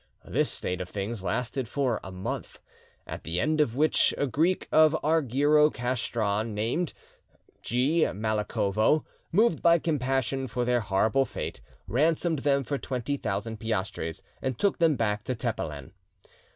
This state of things lasted for a month, at the end of which a Greek of Argyro Castron, named G. Malicovo, moved by compassion for their horrible fate, ransomed them for twenty thousand piastres, and took them back to Tepelen.